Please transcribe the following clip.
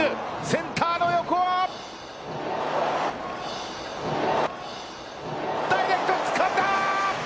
センターの横ダイレクトつかんだ！